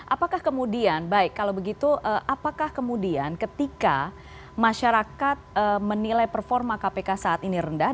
apakah kemudian baik kalau begitu apakah kemudian ketika masyarakat menilai performa kpk saat ini rendah